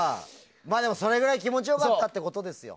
それぐらい気持ち良かったってことですよ。